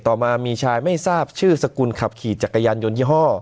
ต่อมามีชายไม่ทราบชื่อสกุลขับขี่จักรยานยนยี่ห้อ